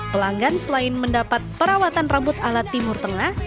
pelanggan selain mendapat perawatan rambut ala timur tengah